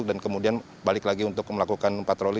dan kemudian balik lagi untuk melakukan patroli